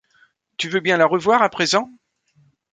Tu veux bien la revoir, à présent ?